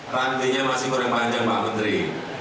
rantinya masih kurang panjang pak menteri